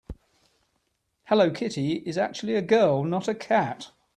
Hello Kitty is actually a girl, not a cat.